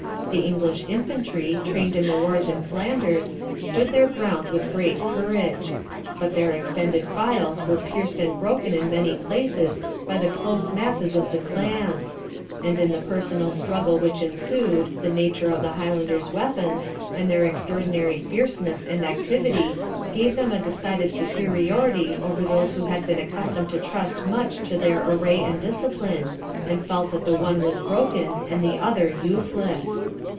The English infantry, trained in the wars in Flanders, stood their ground with great courage. But their extended files were pierced and broken in many places by the close masses of the clans; and in the personal struggle which ensued the nature of the Highlanders' weapons, and their extraordinary fierceness and activity, gave them a decided superiority over those who had been accustomed to trust much to their array and discipline, and felt that the one was broken and the other useless.